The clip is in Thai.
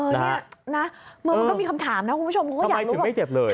มันก็มีคำถามนะคุณผู้ชมทำไมถึงไม่เจ็บเลย